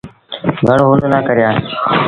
گھڻون هل نا ڪريآ۔